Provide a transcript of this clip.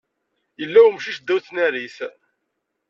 Yella umcic ddaw tnarit.